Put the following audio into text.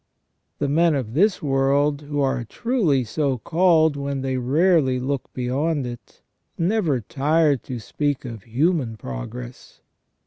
The men of this world, who are truly so called when they rarely look beyond it, never tire to speak of human progress.